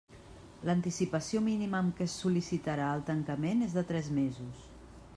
L'anticipació mínima amb què se sol·licitarà el tancament és de tres mesos.